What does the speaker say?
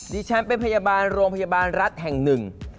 ดิฉันเป็นพยาบาลโรงพยาบาลรัฐแห่งหนึ่ง